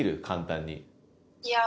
簡単に。